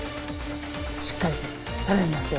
しっかりと頼みますよ